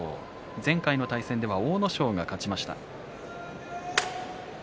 前回の対戦では阿武咲が勝ちました。